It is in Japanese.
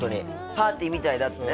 パーティーみたいだってね